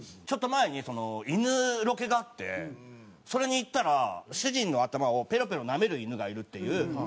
ちょっと前に犬ロケがあってそれに行ったら主人の頭をペロペロなめる犬がいるっていう。